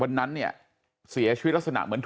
พี่พระราชกบตื่นมาพี่พระราชกบตื่นมาพี่ถามว่าต้องทำเบาคือใคร